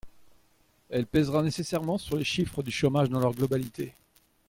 Elle pèsera nécessairement sur les chiffres du chômage dans leur globalité.